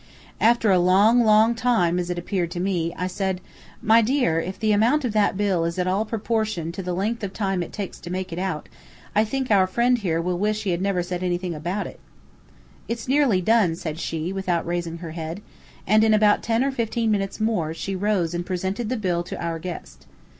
After a long, long time, as it appeared to me, I said: "My dear, if the amount of that bill is at all proportioned to the length of time it takes to make it out, I think our friend here will wish he had never said anything about it." "It's nearly done," said she, without raising her head, and, in about ten or fifteen minutes more, she rose and presented the bill to our guest.